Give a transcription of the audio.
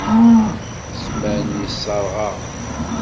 Zzman yeṣṣreɣ-aɣ.